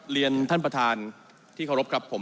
เรียนท่านประธานที่เคารพครับผม